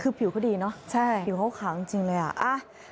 คือผิวเขาดีเนอะใช่ผิวเขาขาวจริงเลยอ่ะ